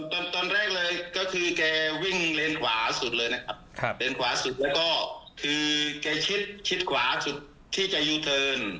หวัดเสียวน่ากลัวแท้